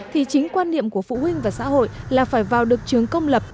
thì chính quan niệm của phụ huynh và xã hội là phải vào được trường công lập